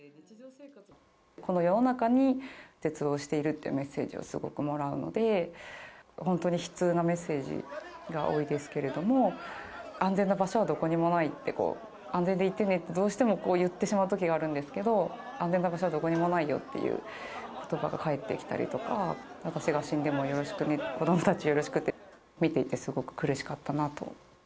この世の中に絶望しているっていうメッセージをすごくもらうので、本当に悲痛なメッセージが多いですけれども、安全な場所はどこにもないって、安全でいてねってどうしても言ってしまうときがあるんですけど、安全な場所はどこにもないよっていうことばが返ってきたりとか、私が死んでもよろしくね、子どもたちよろしくって、見ていてすごく苦しかったなと。